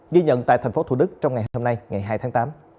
ghi nhận tại tp thủ đức trong ngày hôm nay ngày hai tháng tám